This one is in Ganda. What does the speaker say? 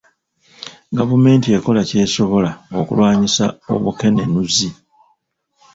Gavumenti ekola ky'esobola okulwanyisa obukenenuzi.